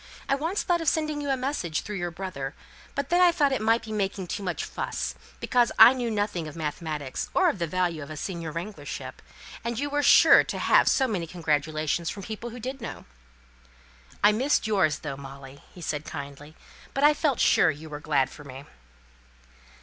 I once thought of sending you a message through your brother, but then I thought it might be making too much fuss, because I know nothing of mathematics, or of the value of a senior wranglership; and you were sure to have so many congratulations from people who did know." "I missed yours though, Molly," said he, kindly. "But I felt sure you were glad for me."